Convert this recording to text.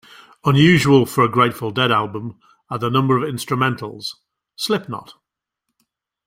Unusual for a Grateful Dead album are the number of instrumentals: Slipknot!